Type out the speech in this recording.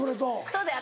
そうだよ